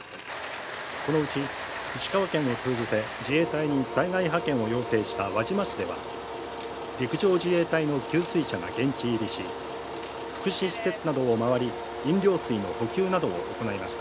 このうち石川県を通じて自衛隊に災害派遣を要請した輪島市では、陸上自衛隊の給水車が現地入りし、福祉施設などを回り、飲料水の補給などを行いました。